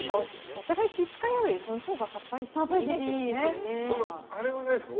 お互い気を使い合うよりそういうほうがさっぱりしてあれはないですか？